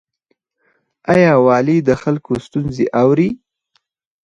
آیا والي د خلکو ستونزې اوري؟